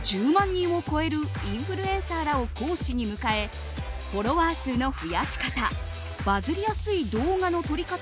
人を超えるインフルエンサーらを講師に迎えフォロワー数の増やし方